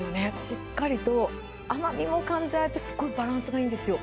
しっかりと甘みも感じられて、すごいバランスがいいんですよ。